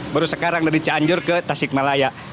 baru sekarang dari cianjur ke tasik malaya